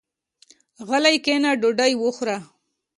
غلی کېنه ډوډۍ وخوره.